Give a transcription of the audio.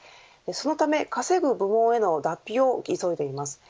そのため稼ぐ部門への脱皮を急いでいます。